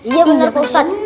iya bener pak ustadz